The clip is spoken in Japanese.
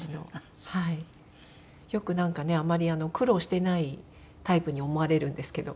よくなんかねあんまり苦労してないタイプに思われるんですけど。